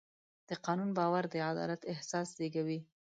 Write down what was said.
د قانون باور د عدالت احساس زېږوي.